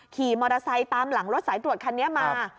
ขี่มอเตอร์ไซค์ตามหลังรถสายตรวจคันนี้มา